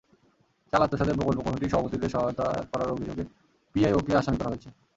চাল আত্মসাতে প্রকল্প কমিটির সভাপতিদের সহায়তা করার অভিযোগে পিআইওকে আসামি করা হয়েছে।